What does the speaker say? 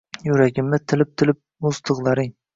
Yuragimni tilib-tilib muz tig’laring